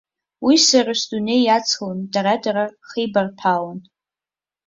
Уи сара сдунеи иацлон, дара-дара хеибарҭәаауан.